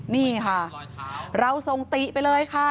นี่ค่ะเราส่งติไปเลยค่ะ